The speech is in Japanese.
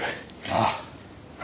ああ。